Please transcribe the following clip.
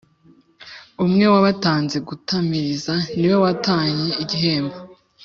Umwe wabatanze gutamiriza niwe watahanye igihembo